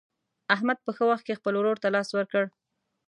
احمد په ښه وخت کې خپل ورور ته لاس ورکړ.